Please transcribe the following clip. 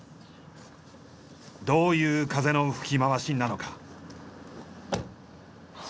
どういう風の吹き回しなのか？